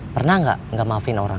pernah gak gak maafin orang